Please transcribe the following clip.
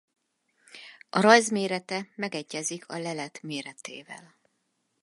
A rajz mérete megegyezik a lelet méretével.